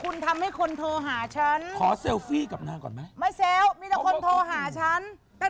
อยากดูด้วยขอเมอหน่อย